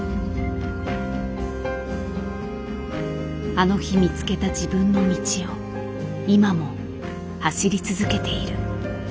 あの日見つけた自分の道を今も走り続けている。